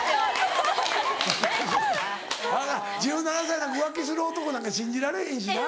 １７歳なんか浮気する男なんか信じられへんしな。